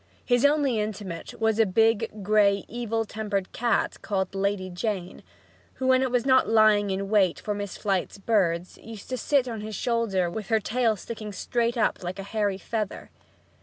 His only intimate was a big, gray, evil tempered cat called "Lady Jane," who, when not lying in wait for Miss Flite's birds, used to sit on his shoulder with her tail sticking straight up like a hairy feather.